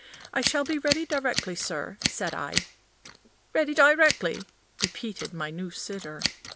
"I shall be ready directly, sir," said I. "Ready directly?" repeated my new sitter.